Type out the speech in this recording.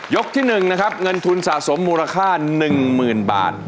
ยกที่หนึ่งนะครับเงินทุนสะสมมูลค่าหนึ่งหมื่นบาท